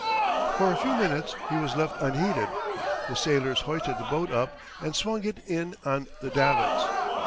For a few minutes he was left unheeded. The sailors hoisted the boat up, and swung it in on the davits.